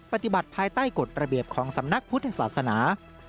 ปฏิบัติภายใต้กฎระเบียบของสำนักพุทธศาสนา